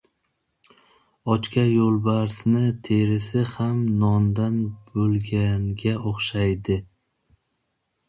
• Ochga yo‘lbarsning terisi ham nondan bo‘lganga o‘xshaydi.